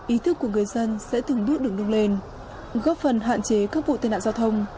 ý thức của người dân sẽ thường đúc đường đông lên góp phần hạn chế các vụ tai nạn giao thông